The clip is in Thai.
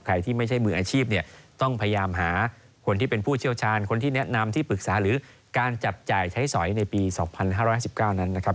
ใครที่ไม่ใช่มืออาชีพเนี่ยต้องพยายามหาคนที่เป็นผู้เชี่ยวชาญคนที่แนะนำที่ปรึกษาหรือการจับจ่ายใช้สอยในปี๒๕๕๙นั้นนะครับ